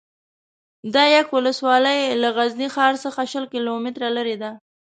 ده یک ولسوالي له غزني ښار څخه شل کیلو متره لري ده